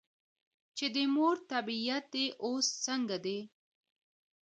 چې " د مور طبیعیت دې اوس څنګه دے ؟" ـ